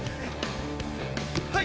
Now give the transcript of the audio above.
はい！